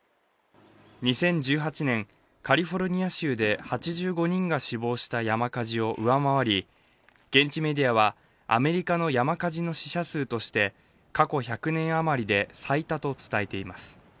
２０１８年、カリフォルニア州で８５人が死亡した山火事を上回り現地メディアは、アメリカの山火事の死者数として過去１００年余りで最多と伝えています。